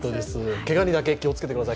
けがにだけ気をつけてください。